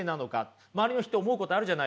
周りの人思うことあるじゃないですか。